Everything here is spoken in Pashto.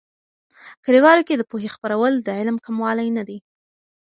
کلیوالو کې د پوهې خپرول، د علم کموالی نه دي.